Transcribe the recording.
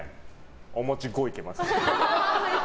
お餅５いけますよ。